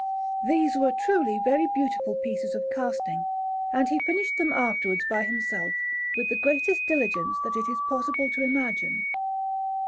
These were truly very beautiful pieces of casting, and he finished them afterwards by himself with the greatest diligence that it is possible to imagine.